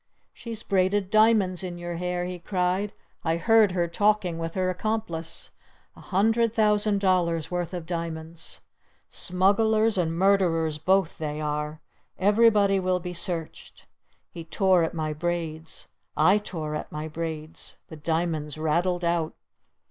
'She's braided diamonds in your hair!' he cried. 'I heard her talking with her accomplice! A hundred thousand dollars' worth of diamonds! Smugglers and murderers both they are! Everybody will be searched!' He tore at my braids! I tore at my braids! The diamonds rattled out!